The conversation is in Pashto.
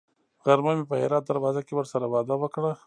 غرمه مې په هرات دروازه کې ورسره وعده وکړه.